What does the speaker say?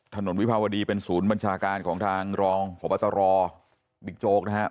วิภาวดีเป็นศูนย์บัญชาการของทางรองพบตรบิ๊กโจ๊กนะครับ